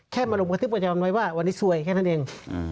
แค่มาลงบันทึกบันยอมไว้ว่าวันนี้สวยแค่นั้นเอง